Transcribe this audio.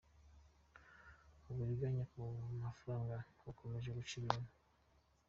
Uburiganya ku mafaranga bukomeje guca ibintu